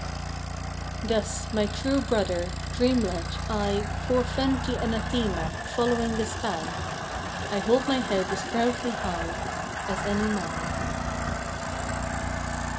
Thus, my true Brother, dream led, I Forefend the anathema, following the span. I hold my head as proudly high As any man.